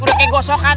udah kayak gosokan